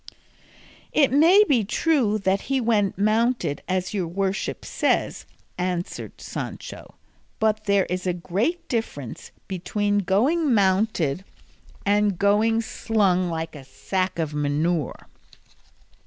"It may be true that he went mounted as your worship says," answered Sancho, "but there is a great difference between going mounted and going slung like a sack of manure."